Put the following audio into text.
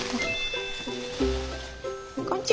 こんにちは。